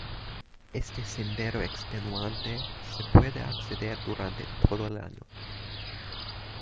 Este sendero extenuante se puede acceder durante todo el año.